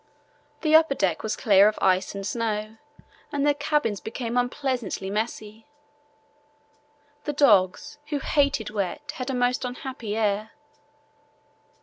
The upper deck was clear of ice and snow and the cabins became unpleasantly messy. The dogs, who hated wet, had a most unhappy air.